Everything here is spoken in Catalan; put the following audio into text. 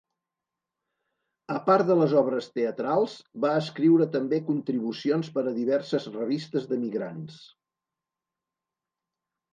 A part de les obres teatrals, va escriure també contribucions per a diverses revistes d'emigrants.